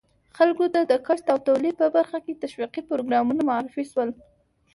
خلکو ته د کښت او تولید په برخه کې تشویقي پروګرامونه معرفي شول.